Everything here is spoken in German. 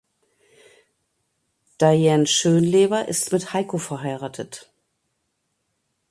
Dianne Schönleber ist mit Heiko verheiratet.